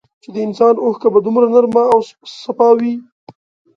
چي د انسان اوښکه به دومره نرمه او سپا وې